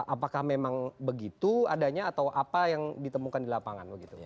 apakah memang begitu adanya atau apa yang ditemukan di lapangan begitu